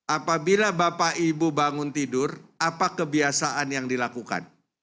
apabila bapak ibu bangun tidur apa kebiasaan yang dilakukan